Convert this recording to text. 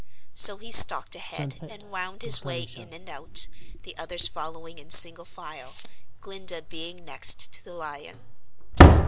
So he stalked ahead and wound his way in and out, the others following in single file, Glinda being next to the Lion.